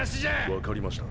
分かりました。